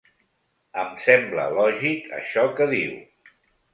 Em sembla lògic això que diu.